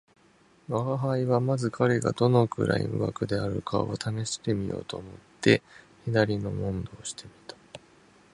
吾輩はまず彼がどのくらい無学であるかを試してみようと思って左の問答をして見た